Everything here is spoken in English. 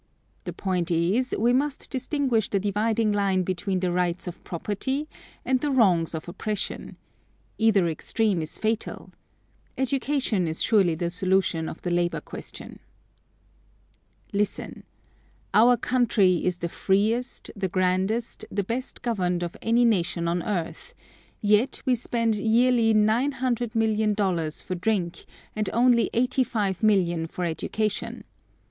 The point is, we must distinguish the dividing line between the rights of property and the wrongs of oppression. Either extreme is fatal. Education is surely the solution of the labor question. Listen: Our country is the freest, the grandest, the best governed of any nation on earth; yet we spend yearly nine hundred million dollars for drink, and only eighty five million for education.